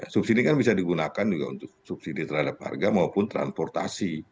subsidi kan bisa digunakan juga untuk subsidi terhadap harga maupun transportasi